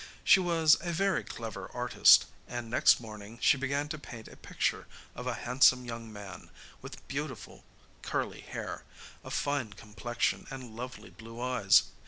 She was a very clever artist, and next morning she began to paint a picture of a handsome young man, with beautiful curly hair, a fine complexion, and lovely blue eyes.